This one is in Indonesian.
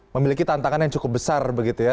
memiliki tantangan yang cukup besar begitu ya